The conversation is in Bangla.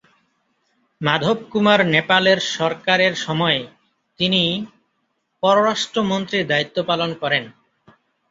মাধব কুমার নেপালের সরকারের সময়ে তিনি পররাষ্ট্র মন্ত্রীর দায়িত্ব পালন করেন।